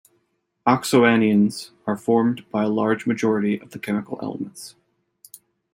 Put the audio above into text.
Oxoanions are formed by a large majority of the chemical elements.